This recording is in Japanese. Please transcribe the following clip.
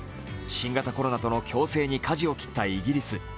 新型コロナとの共生にかじを切ったイギリス。